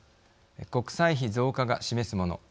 国債費増加が示すもの